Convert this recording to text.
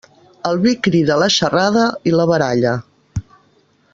El vi crida la xarrada i la baralla.